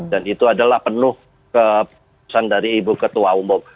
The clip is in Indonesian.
dan itu adalah penuh keputusan dari ibu ketua umum